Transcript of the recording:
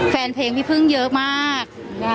แฟนเพลงพี่พึ่งเยอะมาก